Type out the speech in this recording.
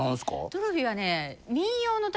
トロフィーはね。